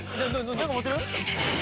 何か持ってる？